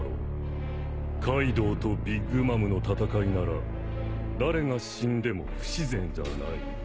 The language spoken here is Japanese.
カイドウとビッグ・マムの戦いなら誰が死んでも不自然じゃない。